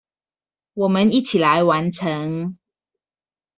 我們一起來完成